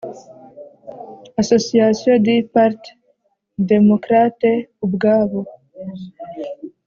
Association du Parti D mocrateubwabo